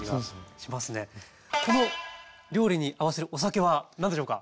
この料理に合わせるお酒は何でしょうか？